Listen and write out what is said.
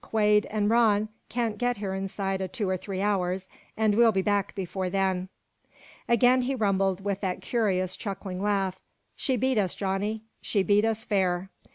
Quade an' Rann can't get here inside o' two or three hours, an' we'll be back before then." Again he rumbled with that curious chuckling laugh. "She beat us, Johnny, she beat us fair!